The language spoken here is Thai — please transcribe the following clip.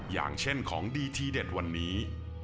อย่างเช่นของดีทีเด็ดวันนี้